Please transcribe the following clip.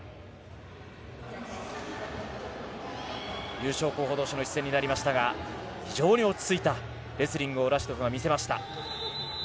優勝候補同士の一戦になりましたが非常に落ち着いたレスリングをラシドフが見せました。